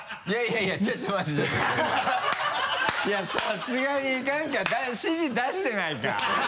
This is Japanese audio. いやさすがに何か指示出してないか？